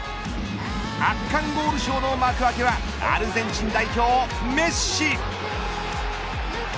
圧巻ゴールショーの幕開けはアルゼンチン代表、メッシ。